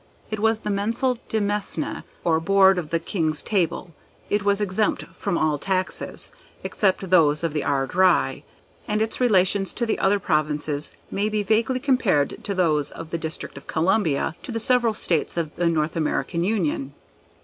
It was the mensal demesne, or "board of the king's table:" it was exempt from all taxes, except those of the Ard Righ, and its relations to the other Provinces may be vaguely compared to those of the District of Columbia to the several States of the North American Union.